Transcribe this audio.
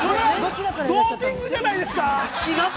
◆ドーピングじゃないですか。